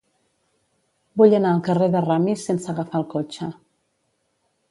Vull anar al carrer de Ramis sense agafar el cotxe.